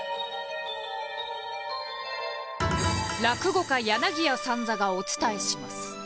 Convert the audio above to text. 落語家柳家三三がお伝えします。